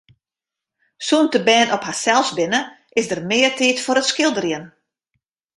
Sûnt de bern op harsels binne, is der mear tiid foar it skilderjen.